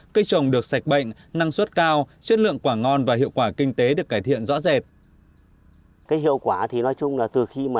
cây trồng được sạch bệnh năng suất cao chất lượng quả ngon và hiệu quả kinh tế được cải thiện rõ rệt